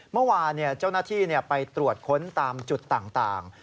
เมื่อวานเจ้าหน้าที่ไปตรวจค้นตามจุดต่าง